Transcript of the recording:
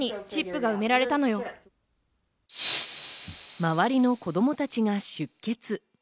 周りの子どもたちが出血。